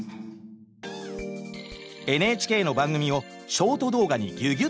ＮＨＫの番組をショート動画にぎゅぎゅっと凝縮！